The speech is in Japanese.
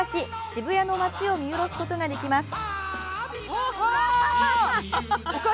渋谷の街を見下ろすことができます。